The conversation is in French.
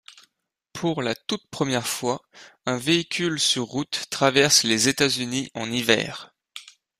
Pour la toute première fois un véhicule sur route traverse les États-Unis en hiver.